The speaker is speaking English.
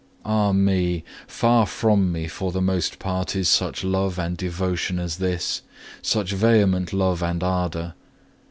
Ah me! far from me for the most part is such love and devotion as this, such vehement love and ardour.